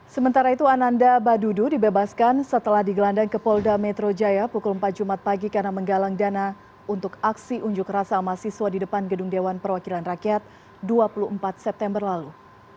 sementara itu ananda badudu dibebaskan setelah digelandang ke polda metro jaya pukul empat jumat pagi karena menggalang dana untuk aksi unjuk rasa mahasiswa di depan gedung dewan perwakilan rakyat dua puluh empat september lalu